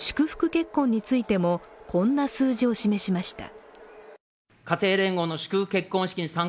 結婚についてもこんな数字を示しました。